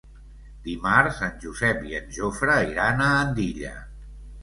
Dimarts en Josep i en Jofre iran a Andilla.